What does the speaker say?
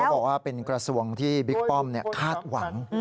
บอกว่าเป็นกระทรวงที่บิ๊กป้อมคาดหวัง